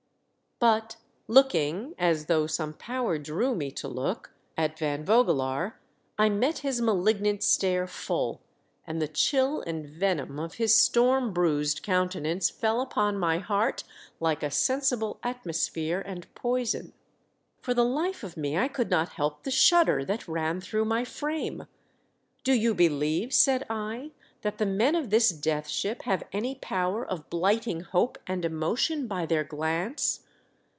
But looking, as though some power drew me to look, at Van Vogelaar, I met his malignant stare full, and the chill and venom of his storm bruised countenance 344 THE DEATH SHIP. fell upon my heart like a sensible atmosphere and poison. For the life of me I could not help the shudder that ran through my frame. " Do you believe," said I, "that the men of this Death Ship have any power of blighting hope and emotion by their glance